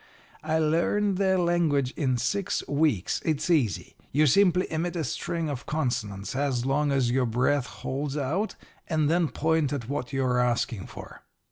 I learned their language in six weeks it's easy: you simply emit a string of consonants as long as your breath holds out and then point at what you're asking for.